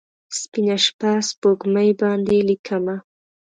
سپینه شپه، سپوږمۍ باندې لیکمه